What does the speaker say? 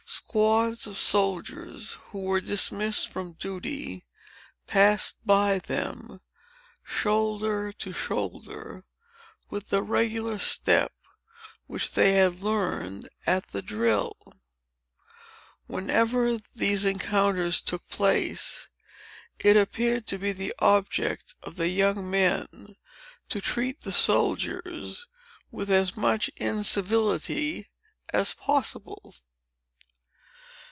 Squads of soldiers, who were dismissed from duty, passed by them, shoulder to shoulder, with the regular step which they had learned at the drill. Whenever these encounters took place, it appeared to be the object of the young men to treat the soldiers with as much incivility as possible.